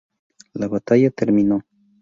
La batalla terminó.